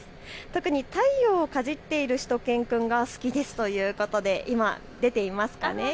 特に太陽をかじっているしゅと犬くんが大好きですということで今出ていますかね。